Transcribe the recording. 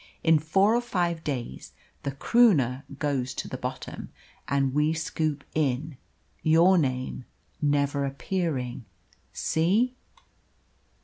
In four or five days the Croonah goes to the bottom, and we scoop in, your name never appearing see?"